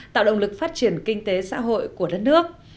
tạo động lực phát triển kinh tế xã hội của đất nước